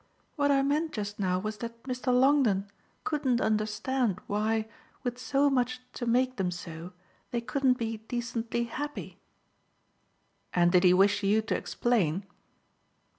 "What I meant just now was that Mr. Longdon couldn't understand why, with so much to make them so, they couldn't be decently happy." "And did he wish you to explain?"